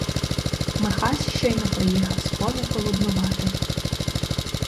Михась щойно приїхав з поля полуднувати.